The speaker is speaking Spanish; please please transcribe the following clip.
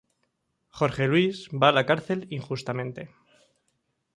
Jorge Luis va a la cárcel injustamente.